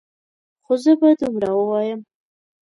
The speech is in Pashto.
خو زه به دومره ووایم.